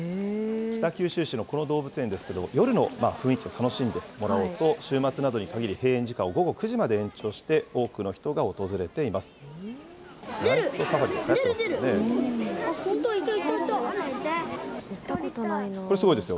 北九州市のこの動物園ですけど、夜の雰囲気を楽しんでもらおうと、週末などに限り、閉園時間を午後９時まで延長して、多くの人が訪れています。